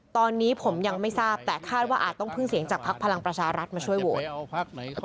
ตอนนี้ผมยังไม่ทราบแต่คาดว่าอาจต้องพึ่งเสียงจากพักพลังประชารัฐมาช่วยโหวต